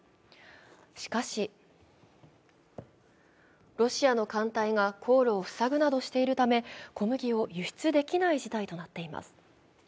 しかし、ロシアの艦隊が航路を塞ぐなどしているため小麦を輸出できない事態となっています。